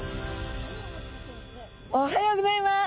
おはようございます。